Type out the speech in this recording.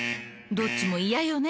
どっちもイヤよね？